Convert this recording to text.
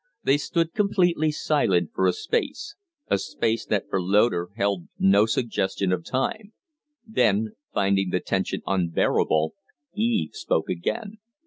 They stood completely silent for a space a space that for Loder held no suggestion of time; then, finding the tension unbearable, Eve spoke again.